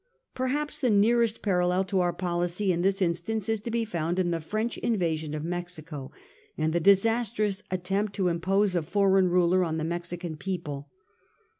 Perhaps the nearest parallel to our policy in this in stance is to be found in the French invasion of Mexico, and the disastrous attempt to impose, a foreign ruler on the Mexican people.